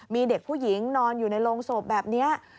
มีเด็กผู้หญิงนอนอยู่ในโรงศพแบบนี้